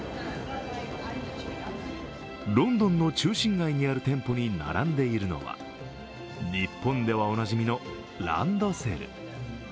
ロンドンの中心街にある店舗に並んでいるのは日本ではおなじみの、ランドセル。